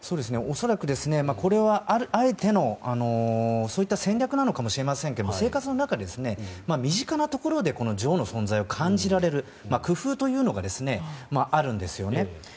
恐らくあえて、そういった戦略なのかもしれませんが生活の中で、身近なところで女王の存在を感じられる工夫というのがあるんですね。